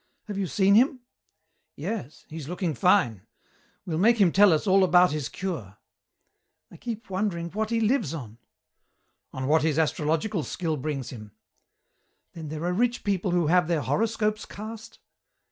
"Have you seen him?" "Yes. He's looking fine. We'll make him tell us about his cure." "I keep wondering what he lives on." "On what his astrological skill brings him." "Then there are rich people who have their horoscopes cast?"